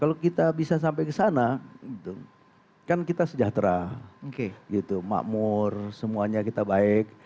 kalau kita bisa sampai ke sana kan kita sejahtera makmur semuanya kita baik